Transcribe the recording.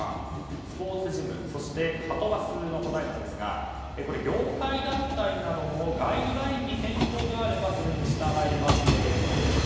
スポーツジムそしてはとバスの答えなんですが業界団体などのガイドラインに変更があればそれに従いますということでした。